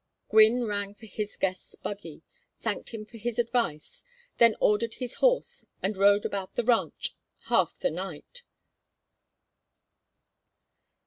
Gwynne rang for his guest's buggy, thanked him for his advice; then ordered his horse and rode about the ranch half the night.